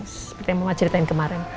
seperti yang mama ceritain kemarin